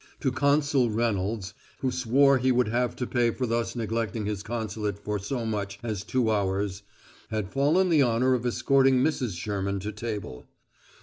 To Consul Reynolds, who swore he would have to pay for thus neglecting his consulate for so much as two hours, had fallen the honor of escorting Mrs. Sherman to table.